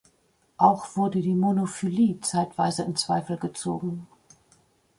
Auch wurde die Monophylie zeitweise in Zweifel gezogen.